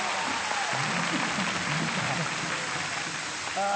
ああ。